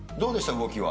動きは。